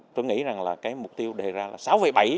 tôi nghĩ rằng là cái mục tiêu đề ra là sáu bảy